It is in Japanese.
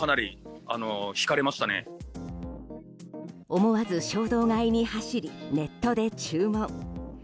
思わず衝動買いに走りネットで注文。